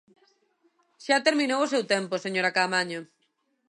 Xa terminou o seu tempo, señora Caamaño.